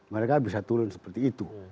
mereka bisa turun seperti itu